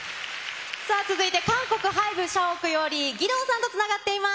続いて韓国ＨＹＢＥ社屋より、義堂さんとつながっています。